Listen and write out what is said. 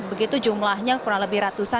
begitu jumlahnya kurang lebih ratusan